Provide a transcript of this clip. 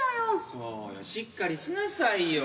そうよしっかりしなさいよ。